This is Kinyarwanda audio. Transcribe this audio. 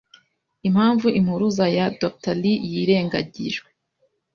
impamvu impuruza ya Dr Li yirengagijwe